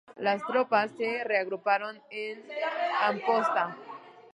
Las tropas se reagruparon en Amposta.